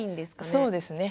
そうですね。